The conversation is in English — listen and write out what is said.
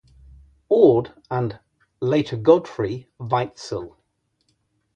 Ord and later Godfrey Weitzel.